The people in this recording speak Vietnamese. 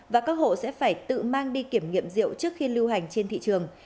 và các hộ sẽ phải tự mang đi kiểm nghiệm rượu trước khi lưu hành trên thị trường